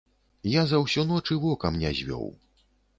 Я за ўсю ноч і вокам не звёў.